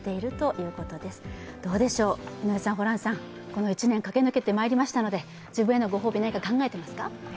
この一年駆け抜けてまいりましたので、自分へのご褒美、何か考えていますか？